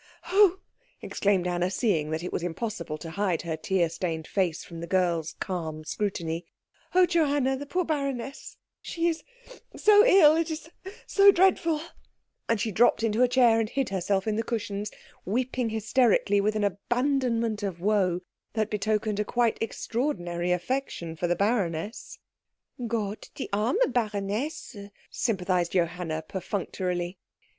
"Oh," exclaimed Anna, seeing that it was impossible to hide her tear stained face from the girl's calm scrutiny, "oh, Johanna, the poor baroness she is so ill it is so dreadful " And she dropped into a chair and hid herself in the cushions, weeping hysterically with an abandonment of woe that betokened a quite extraordinary affection for the baroness. "Gott, die arme Baronesse," sympathised Johanna perfunctorily.